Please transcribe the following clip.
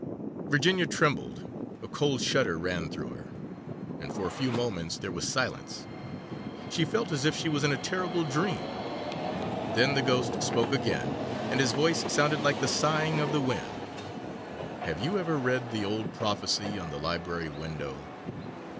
Virginia trembled, a cold shudder ran through her, and for a few moments there was silence. She felt as if she was in a terrible dream. Then the Ghost spoke again, and his voice sounded like the sighing of the wind. 'Have you ever read the old prophecy on the library window?